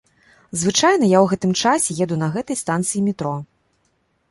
Звычайна я ў гэтым часе еду на гэтай станцыі метро.